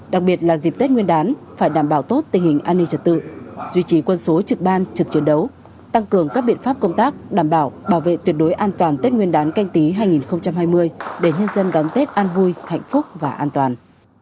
đặc biệt là dịp tết nguyên đán phải đảm bảo tốt tình hình an ninh trật tự duy trì quân số trực ban trực chiến đấu tăng cường các biện pháp công tác đảm bảo bảo vệ tuyệt đối an toàn tết nguyên đán canh tí hai nghìn hai mươi để nhân dân đón tết an vui hạnh phúc và an toàn